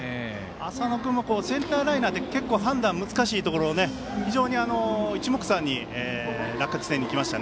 浅野君もセンターライナーで判断難しいところを非常に一目散に落下地点にいきました。